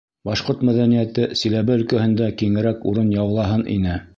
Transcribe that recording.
Башҡорт мәҙәниәте Силәбе өлкәһендә киңерәк урын яулаһын ине.